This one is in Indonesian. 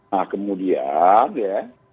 nah kemudian ya